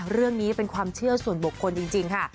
เรื่องนี้เป็นความเชื่อส่วนบุคคลจริงค่ะ